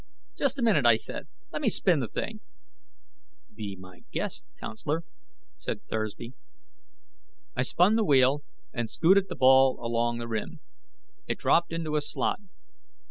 "Just a minute," I said. "Let me spin that thing." "Be my guest, counselor," said Thursby. I spun the wheel and scooted the ball along the rim. It dropped into a slot.